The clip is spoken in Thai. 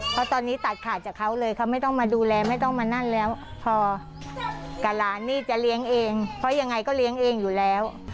เพราะตอนนี้ตัดขาดจากเขาเลยเขาไม่ต้องมาดูแลไม่ต้องมานั่นแล้วพอกับหลานนี่จะเลี้ยงเองเพราะยังไงก็เลี้ยงเองอยู่แล้ว